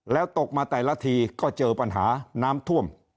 แล้วตกมาแต่ละทีก็เจอปัญหาน้ำท่วม